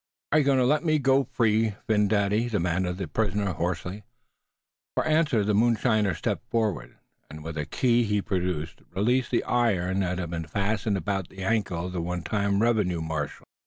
"Are you going to let me go free, Phin Dady?" demanded the prisoner, hoarsely. For answer the moonshiner stepped forward, and with a key he produced, released the iron that had been fastened about the ankle of the one time revenue marshal.